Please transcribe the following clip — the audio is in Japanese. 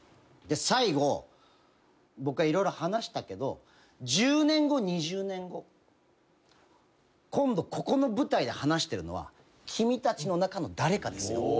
最後僕が色々話したけど１０年後２０年後今度ここの舞台で話してるのは君たちの中の誰かですよ。